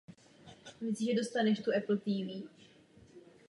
Ložisko Zlatý Kopec je známé od nejstarších dob dolování v Čechách.